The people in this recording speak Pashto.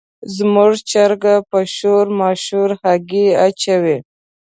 زموږ چرګه په شور ماشور هګۍ اچوي.